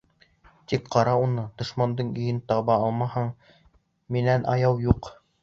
Тик ҡара уны, дошмандың өйөн таба алмаһаң, минән аяу юҡ.